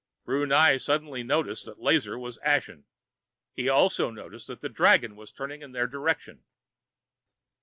Brunei suddenly noticed that Lazar was ashen. He also noticed that the dragon was turning in their direction.